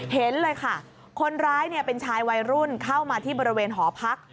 เห็นเลยค่ะคนร้ายเป็นชายวัยรุ่นเข้ามาที่บริเวณหอพัก